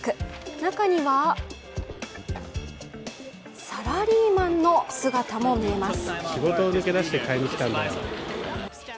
中にはサラリーマンの姿も見えます。